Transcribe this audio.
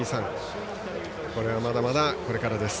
これはまだまだこれからです。